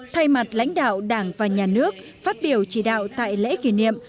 thay mặt lãnh đạo đảng và nhà nước phát biểu chỉ đạo tại lễ kỷ niệm